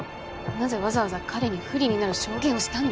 なぜわざわざ彼に不利になる証言をしたの？